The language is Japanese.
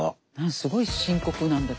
すごい深刻なんだけど。